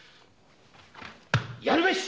やるべし！